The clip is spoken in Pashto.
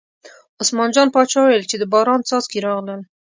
عثمان جان باچا وویل چې د باران څاڅکي راغلل.